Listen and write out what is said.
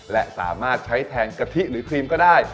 และสามารถใช้แทนกะทิหรือครีมก็ได้